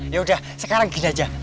yaudah sekarang gini aja